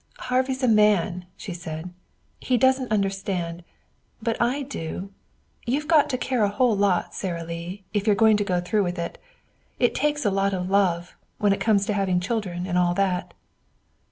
"Harvey's a man," she said. "He doesn't understand, but I do. You've got to care a whole lot, Sara Lee, if you're going to go through with it. It takes a lot of love, when it comes to having children and all that."